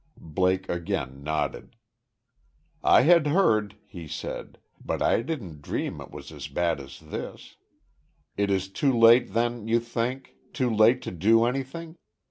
Blake again nodded. "I had heard," he said. "But I didn't dream it was as bad as this.... It is too late, then, you think too late to do anything?